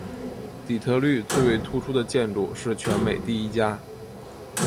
底特律最为突出的建筑是全美第一家。